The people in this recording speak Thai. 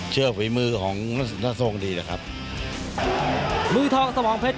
เชื่อภีมือของนัสวงศ์ดีเลยครับมือท้องสมองเพชร